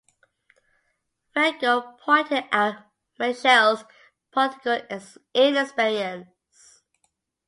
Feingold pointed out Michel's political inexperience.